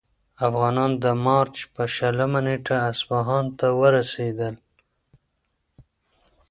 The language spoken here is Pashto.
افغانان د مارچ په شلمه نېټه اصفهان ته ورسېدل.